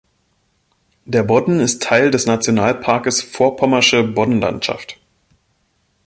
Der Bodden ist Teil des Nationalparkes Vorpommersche Boddenlandschaft.